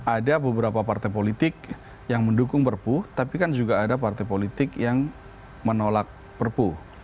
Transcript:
ada beberapa partai politik yang mendukung perpu tapi kan juga ada partai politik yang menolak perpu